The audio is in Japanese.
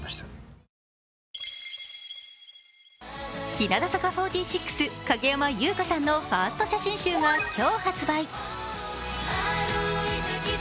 日向坂４６・影山優佳さんのファースト写真集が今日発売。